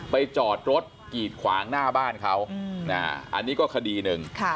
จอดรถกีดขวางหน้าบ้านเขาอันนี้ก็คดีหนึ่ง